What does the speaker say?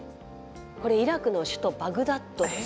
これイラクの首都バグダッドです。